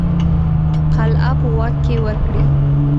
قلعه په واک کې ورکړي.